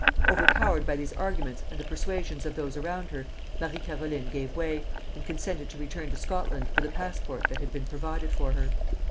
Overpowered by these arguments and the persuasions of those around her, Marie Caroline gave way, and consented to return to Scotland with a passport that had been provided for her.